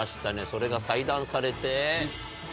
それが裁断されて。